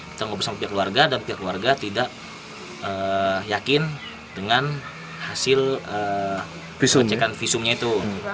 kita ngobrol sama pihak keluarga dan pihak keluarga tidak yakin dengan hasil pengecekan visumnya itu